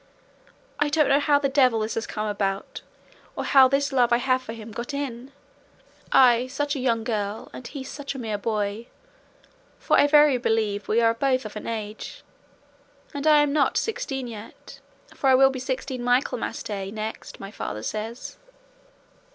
I don't know how the devil this has come about, or how this love I have for him got in; I such a young girl, and he such a mere boy; for I verily believe we are both of an age, and I am not sixteen yet; for I will be sixteen Michaelmas Day, next, my father says."